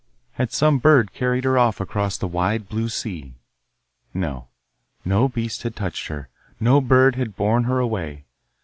Had some bird carried her off across the wide blue sea? No, no beast had touched her, no bird had borne her away.